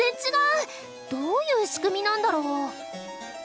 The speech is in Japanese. どういう仕組みなんだろう？